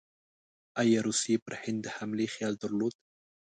ایا روسیې پر هند د حملې خیال درلود؟